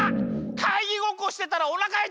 かいぎごっこしてたらおなかへっちゃった！